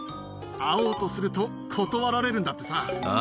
会おうとすると、断られるんだってさ。